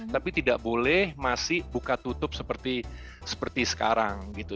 tapi tidak boleh masih buka tutup seperti sekarang gitu